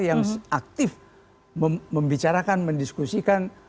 yang aktif membicarakan mendiskusikan